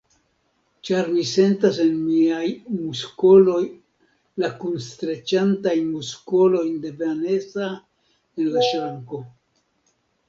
Ĉar mi sentas en miaj muskoloj la kunstreĉatajn muskolojn de Vanesa en la ŝranko.